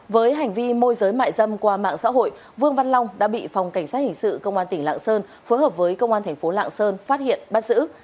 với hành vi môi giới mại dâm qua mạng xã hội vương văn long đã bị phòng cảnh sát hình sự công an tỉnh lạng sơn phối hợp với công an thành phố lạng sơn phát hiện bắt giữ